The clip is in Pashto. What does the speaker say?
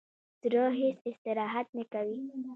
زړه هیڅ استراحت نه کوي